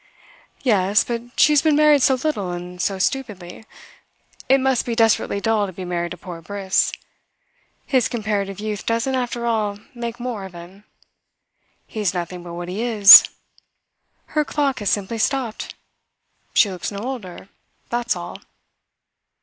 "Yes, but she has been married so little and so stupidly. It must be desperately dull to be married to poor Briss. His comparative youth doesn't, after all, make more of him. He's nothing but what he is. Her clock has simply stopped. She looks no older that's all."